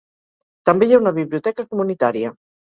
També hi ha una biblioteca comunitària.